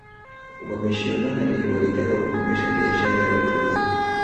wamishionari walitaka kukomesha biashara ya utumwa